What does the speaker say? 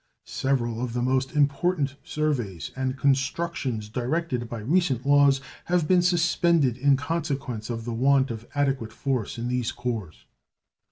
Several of the most important surveys and constructions directed by recent laws have been suspended in consequence of the want of adequate force in these corps.